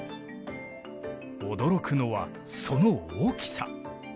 驚くのはその大きさ。